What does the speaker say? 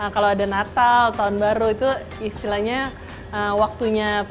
kalau ada natal tahun baru itu istilahnya waktunya